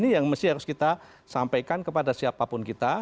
ini yang mesti harus kita sampaikan kepada siapapun kita